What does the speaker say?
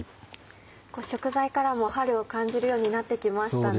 食材からも春を感じるようになってきましたね。